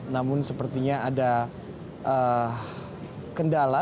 namun sepertinya ada kendala